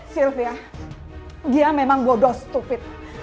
sylvia dia memang bodoh stupid